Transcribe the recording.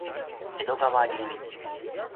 江戸川流域